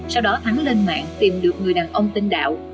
sau đó thắng lên mạng tìm được người đàn ông tên đạo